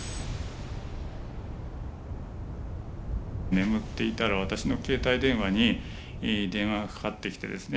眠っていたら私の携帯電話に電話がかかってきてですね